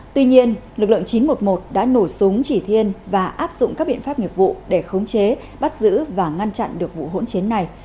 tuy nhiên lực lượng chín trăm một mươi một đã nổ súng chỉ thiên và áp dụng các biện pháp nghiệp vụ để khống chế bắt giữ và ngăn chặn được vụ hỗn chiến này